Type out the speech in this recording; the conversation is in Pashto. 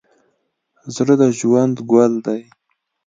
زړه د ژوند ګل دی.